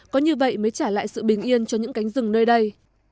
có như vậy mới trả lại sự bình yên cho những cánh rừng nơi đây